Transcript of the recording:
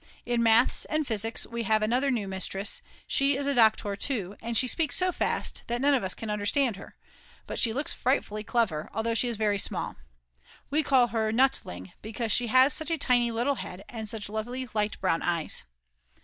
In Maths and Physics we have another new mistress, she is a Doktor too, and she speaks so fast that none of us can understand her; but she looks frightfully clever, although she is very small. We call her "Nutling" because she has such a tiny little head and such lovely light brown eyes.